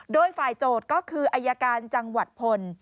โดยฝ่ายโจทย์ก็คืออายการจังหวัดพล